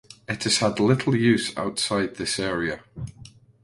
It has had little use outside this area.